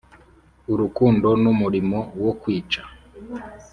urukundo n'umurimo no kwica